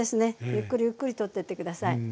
ゆっくりゆっくりとってって下さい。